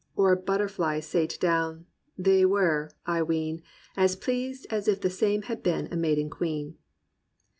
Or butterfly sate do\\Ti, they were, I ween. As pleased as if the same had been a maiden Queen.'